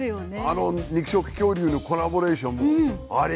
あの肉食恐竜のコラボレーションあれ